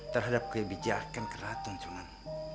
terhadap kebijakan keraton sunan